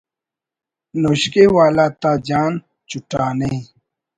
نوشکے والا تا جان چٹانے